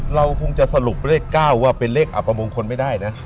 เราคงจะสรุปเลข๙ว่าเป็นเลขอับประมงคลไม่ได้นะ